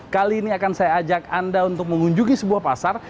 kali ini akan saya ajak anda untuk mengunjungi sebuah pasar